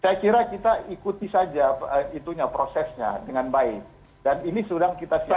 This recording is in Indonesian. saya kira kita ikuti saja itunya prosesnya dengan baik dan ini sedang kita siapkan